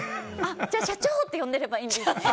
じゃあ社長！って呼んでればいいんですね。